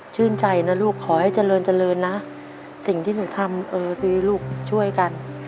ชื่นใจนะลูกขอให้เจริญเจริญนะสิ่งที่หนูทำเออดีลูกช่วยกัน